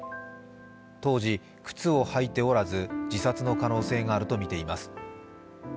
当時、靴を履いておらず自殺の可能性があるとみています。